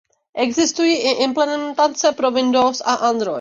Existují i implementace pro Windows a Android.